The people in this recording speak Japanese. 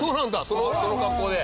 その格好で。